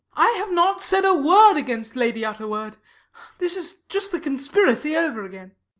I have not said a word against Lady Utterword. This is just the conspiracy over again.